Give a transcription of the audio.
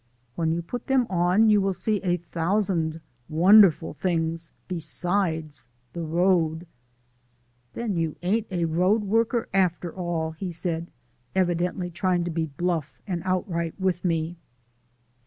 "When you put them on you will see a thousand wonderful things besides the road " "Then you ain't road worker after all!" he said, evidently trying to be bluff and outright with me.